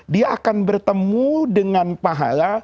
dia akan bertemu dengan pahala